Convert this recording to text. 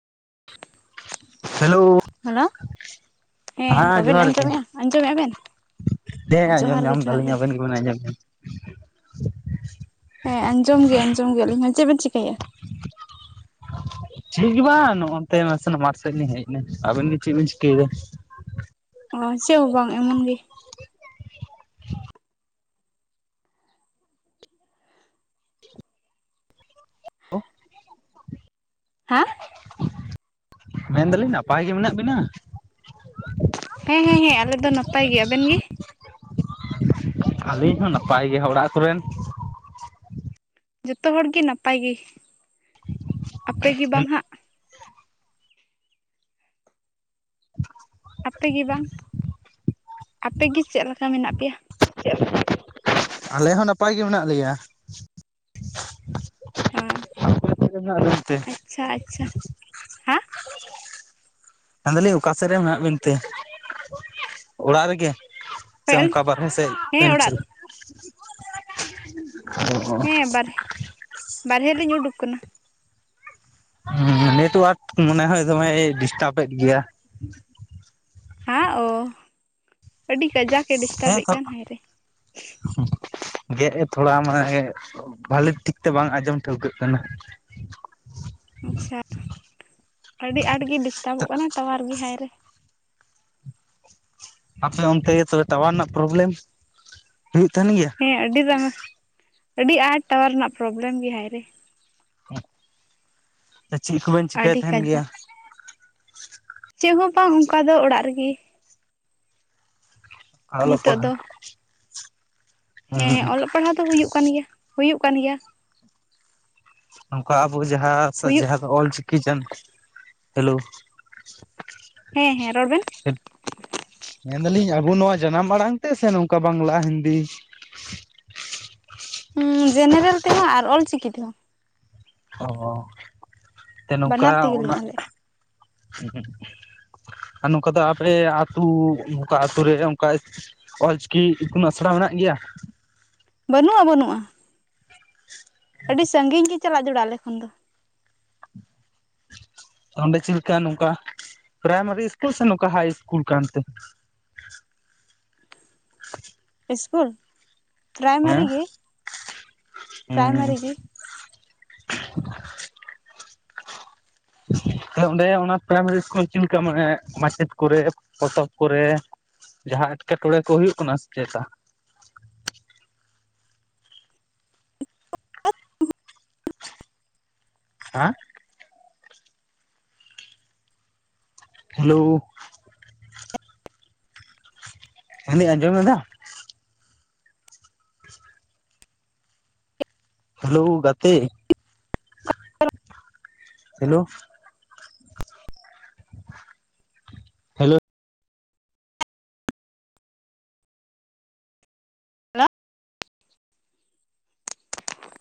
Hello hello ᱦᱮᱸ ᱵᱟᱵᱮᱱ ᱡᱚᱦᱟᱨ ᱜᱮ ᱟᱸᱡᱚᱢᱮᱜᱼᱟ ᱟᱸᱡᱚᱢᱮᱜᱼᱟ ᱵᱮᱱ ᱦᱮᱸ ᱟᱸᱡᱚᱢ ᱡᱚᱦᱟᱨ ᱜᱮ ᱧᱟᱢ ᱡᱚᱦᱟᱨ ᱫᱟᱞᱤᱧ ᱜᱮ ᱟᱵᱤᱱ ᱜᱮᱵᱮᱱ ᱟᱸᱡᱚᱢ ᱧᱟᱢ ᱦᱮᱸ ᱟᱸᱡᱚᱢ ᱜᱮ ᱟᱸᱡᱚᱢ ᱜᱮ ᱟᱞᱤᱧ ᱦᱚᱸ ᱪᱮᱫ ᱵᱮᱱ ᱪᱮᱤᱠᱟᱹᱭᱟ? ᱪᱮᱫ ᱜᱮ ᱵᱟᱝ ᱱᱚᱜᱼᱚᱱᱛᱮ ᱱᱟᱥᱮᱱᱟᱜ ᱢᱟᱴᱷ ᱥᱮᱫ ᱞᱤᱧ ᱦᱮᱡ ᱮᱱᱟ ᱟᱵᱤᱱ ᱜᱮ ᱪᱮᱫ ᱵᱤᱱ ᱪᱤᱠᱟᱹᱭᱮᱫᱟ? ᱚ ᱪᱮᱫ ᱦᱚᱸ ᱵᱟᱝ ᱮᱢᱚᱱ ᱜᱮ ᱾ [inaudible] ᱦᱮᱸ ᱢᱮᱱᱫᱟᱞᱤᱧ ᱱᱟᱯᱟᱭ ᱜᱮ ᱢᱮᱱᱟᱜ ᱵᱤᱱᱟ? ᱦᱮᱸ ᱦᱮᱸ ᱦᱮᱸ ᱟᱞᱮ ᱫᱚ ᱱᱟᱯᱟᱭ ᱜᱮ ᱟᱵᱮᱱ ᱜᱮ? ᱟᱹᱞᱤᱧ ᱦᱚᱸ ᱱᱟᱯᱟᱭ ᱜᱮ ᱚᱲᱟᱜ ᱠᱚᱨᱮᱱ? ᱡᱚᱛᱚ ᱦᱚᱲᱜᱮ ᱱᱟᱯᱟᱭ ᱜᱮ ᱟᱯᱮ ᱜᱮ ᱵᱟᱝ ᱦᱟᱸᱜ? [unintelligible] ᱟᱯᱮ ᱜᱮ ᱵᱟᱝ? ᱟᱯᱮ ᱜᱮ ᱪᱮᱫ ᱞᱮᱠᱟ ᱢᱮᱱᱟᱜ ᱯᱮᱭᱟ? ᱟᱞᱮ ᱦᱚᱸ ᱱᱟᱯᱟᱭ ᱜᱮ ᱢᱮᱱᱟᱜ ᱞᱮᱭᱟ᱾ ᱦᱮᱸ ᱢᱚᱢ ᱨᱮᱱᱟ ᱨᱮᱥ ᱛᱮ ᱟᱪᱪᱷᱟ ᱟᱪᱪᱷᱟ᱾ ᱦᱟᱸ ᱢᱮᱱᱫᱟᱞᱤᱧ ᱚᱠᱟ ᱥᱮᱫ ᱨᱮ ᱢᱮᱱᱟᱜ ᱵᱮᱱ ᱛᱮ ᱚᱲᱟᱜ ᱨᱮᱜᱮ? ᱥᱮ ᱚᱠᱚᱭᱮᱜᱼᱟᱞᱤᱧ ᱚᱱᱠᱟ ᱵᱟᱦᱨᱦ ᱥᱮᱫ ᱦᱮᱸ ᱵᱮᱧᱪᱤ ᱚᱲᱟᱜ ᱦᱮᱸ ᱵᱟᱨᱦᱮ, ᱵᱟᱨᱦᱮ ᱞᱤᱧ ᱩᱰᱩᱠ ᱟᱠᱟᱱᱟ᱾ ᱦᱩᱻᱸ ᱱᱮᱴᱚᱣᱟᱨᱠ ᱢᱚᱱᱮ ᱦᱚᱸᱭ ᱫᱚᱢᱮᱭ ᱰᱤᱥᱴᱟᱵ ᱮᱫ ᱜᱮᱭᱟ᱾ ᱦᱟᱸ ᱚ ᱟᱹᱰᱤ ᱠᱟᱡᱟᱠ ᱮ ᱦᱮᱸ ᱰᱤᱥᱴᱟᱨᱵᱮᱫ ᱛᱚ ᱠᱟᱱ ᱦᱟᱭᱨᱮ᱾ ᱜᱮᱫ ᱮ ᱛᱷᱚᱲᱟ ᱢᱟᱱᱮ ᱵᱷᱟᱞᱤ ᱴᱷᱤᱠ ᱛᱮ ᱵᱟᱝ ᱟᱸᱡᱚᱢ ᱴᱷᱟᱹᱣᱠᱟ ᱠᱟᱱᱟ᱾ ᱟᱪᱪᱷᱟ ᱟᱹᱰᱤ ᱟᱸᱴ ᱜᱮ ᱰᱤᱥᱴᱟᱨᱵᱚᱜ ᱠᱟᱱᱟ ᱴᱟᱣᱟᱨ ᱜᱮ ᱦᱟᱭ ᱨᱮ᱾ ᱟᱯᱮ ᱚᱱᱛᱮ ᱛᱚᱵᱮ ᱴᱟᱣᱟᱨ ᱨᱮᱱᱟᱜ ᱯᱨᱚᱵᱞᱮᱢ ᱦᱩᱭᱩᱜ ᱛᱟᱦᱮᱱ ᱜᱮᱭᱟ? ᱦᱮᱸ ᱟᱹᱰᱤ ᱫᱚᱢᱮ ᱟᱹᱰᱤ ᱟᱸᱴ ᱴᱟᱣᱟᱨ ᱨᱮᱱᱟᱜ ᱯᱨᱚᱵᱞᱮᱢ ᱜᱮ ᱦᱟᱭ ᱨᱮ ᱾ ᱟ ᱪᱮᱫ ᱠᱚᱵᱮᱱ ᱪᱤᱠᱟᱹᱭ ᱟᱹᱰᱤ ᱛᱟᱦᱮᱱ ᱜᱮᱭᱟ? ᱠᱟᱡᱟᱠ ᱪᱮᱫ ᱦᱚᱸ ᱵᱟᱝ ᱚᱱᱠᱟ ᱫᱚ ᱚᱲᱟᱜ ᱨᱮᱜᱮ᱾ ᱟᱞᱚᱜ ᱱᱤᱛᱚᱜ ᱯᱟᱲᱦᱟᱹᱣ? ᱫᱚ ᱦᱮᱸ ᱚᱞᱚᱜ ᱯᱟᱲᱦᱟᱣ ᱫᱚ ᱦᱩᱭᱩᱜ ᱠᱟᱱ ᱜᱮᱭᱟ, ᱦᱩᱭᱩᱜ ᱠᱟᱱ ᱜᱮᱭᱟ᱾ ᱱᱚᱝᱠᱟ ᱟᱵᱚ ᱡᱟᱦᱟᱸᱻ ᱦᱩᱭᱩᱜ ᱡᱟᱦᱟᱸ ᱫᱚ ᱚᱞᱪᱤᱠᱤ ᱠᱟᱱ ᱪᱟᱞᱩ ᱦᱮᱸ ᱦᱮᱸ ᱨᱚᱲ ᱵᱮᱱ᱾ ᱢᱮᱱᱫᱟᱞᱤᱧ ᱟᱵᱚ ᱱᱚᱣᱟ ᱡᱟᱱᱟᱢ ᱟᱲᱟᱝ ᱛᱮ ᱥᱮ ᱱᱚᱝᱠᱟ ᱵᱟᱝᱞᱟ ᱦᱤᱱᱫᱤ? ᱦᱮ ᱡᱮᱱᱟᱨᱮᱞ ᱛᱮᱦᱚᱸ ᱟᱨ ᱚᱞᱪᱤᱠᱤ ᱛᱮᱦᱚᱸ᱾ ᱚ ᱛᱮ ᱱᱚᱝᱠᱟ ᱵᱟᱱᱟᱨ ᱛᱮᱜᱮᱞᱤᱧ ᱚᱱᱟ ᱚᱞᱮᱫ ᱦᱩ ᱟᱨ ᱱᱚᱝᱠᱟ ᱫᱚ ᱟᱯᱮ ᱟᱹᱛᱩ ᱱᱚᱝᱠᱟ ᱟᱛᱳ ᱨᱮ ᱚᱝᱠᱟ ᱚᱞᱪᱤᱠᱤ ᱤᱛᱩᱱᱟᱜ ᱥᱮᱬᱟ ᱢᱮᱱᱟᱜ ᱜᱮᱭᱟ? ᱵᱟᱹᱱᱩᱜᱼᱟ ᱵᱟᱹᱱᱩᱜᱼᱟ᱾ ᱟᱹᱰᱤ ᱥᱟᱺᱜᱤᱧ ᱜᱮ ᱪᱟᱞᱟᱜ ᱡᱚᱲᱟ ᱟᱞᱮ ᱠᱷᱚᱱ ᱫᱚ᱾ ᱚᱸᱰᱮ ᱪᱮᱫ ᱞᱮᱠᱟ ᱱᱚᱝᱠᱟ, ᱯᱨᱟᱭᱢᱟᱨᱤ ᱤᱥᱠᱩᱞ ᱥᱮ ᱱᱚᱝᱠᱟ ᱦᱟᱭ ᱤᱥᱠᱩᱞ ᱠᱟᱱᱛᱮ? ᱤᱥᱠᱩᱞ ᱯᱨᱟᱭᱢᱟᱨᱤ ᱦᱮᱸ ᱜᱮ, ᱯᱨᱟᱭᱢᱟᱨᱤ ᱦᱩᱸ ᱜᱮ᱾ ᱛᱚ ᱚᱸᱰᱮ ᱚᱱᱟ ᱯᱨᱟᱭᱢᱟᱨᱤ ᱤᱥᱠᱩᱞ ᱪᱮᱫᱞᱮᱠᱟ ᱢᱟᱱᱮ ᱢᱟᱪᱮᱫ ᱠᱚᱨᱮ ᱯᱚᱛᱚᱵ ᱠᱚᱨᱮᱻ ᱡᱟᱦᱟᱸ ᱮᱴᱠᱮᱴᱚᱬᱮ ᱠᱚ ᱦᱩᱭᱩᱜ ᱠᱟᱱᱟ ᱥᱮ ᱪᱮᱛᱟ? ᱦᱮᱸ? ᱦᱮᱞᱳ ᱢᱮᱱ ᱫᱟᱹᱧ ᱟᱸᱡᱚᱢᱮᱫᱟ? ᱦᱮᱞᱳ ᱜᱟᱛᱮ ᱦᱮᱞᱳ ᱦᱮᱞᱳ